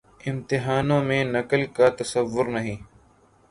امتحانوں میں نقل کا تصور نہیں۔